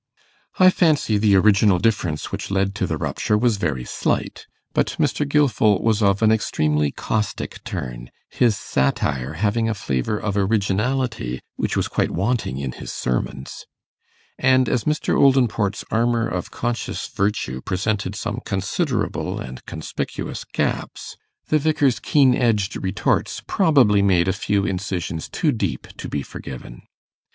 I fancy the original difference which led to the rupture was very slight; but Mr. Gilfil was of an extremely caustic turn, his satire having a flavour of originality which was quite wanting in his sermons; and as Mr. Oldinport's armour of conscious virtue presented some considerable and conspicuous gaps, the Vicar's keen edged retorts probably made a few incisions too deep to be forgiven.